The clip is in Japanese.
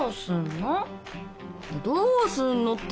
どうすんの？